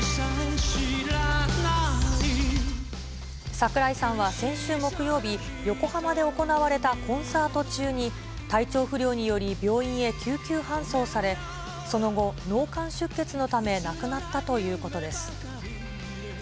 櫻井さんは先週木曜日、横浜で行われたコンサート中に、体調不良により、病院へ救急搬送され、その後、脳幹出血のため亡くなったということです。